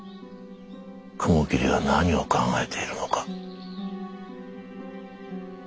雲霧が何を考えているのか。